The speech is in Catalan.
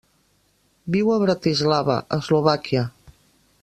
Viu a Bratislava, Eslovàquia.